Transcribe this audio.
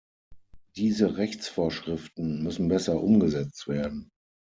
Diese Rechtsvorschriften müssen besser umgesetzt werden.